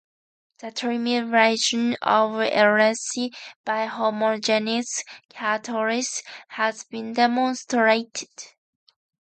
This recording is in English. The trimerization of ethylene by homogeneous catalysts has been demonstrated.